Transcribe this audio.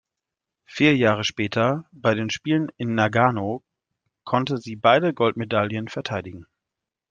Vier Jahre später bei den Spielen in Nagano konnte sie beide Goldmedaillen verteidigen.